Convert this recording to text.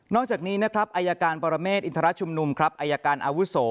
นอกจากนี้อัยการปรเมตรอินทรชุมนุมอัยการอาวุศว์